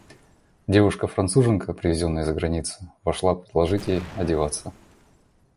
Девушка-Француженка, привезенная из-за границы, вошла предложить ей одеваться.